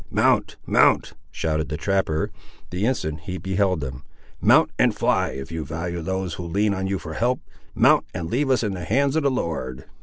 "Mount, mount," shouted the trapper, the instant he beheld them; "mount and fly, if you value those who lean on you for help. Mount, and leave us in the hands of the Lord."